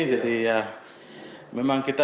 jadi ya memang kita